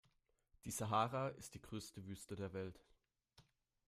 Die Sahara ist die größte Wüste der Welt.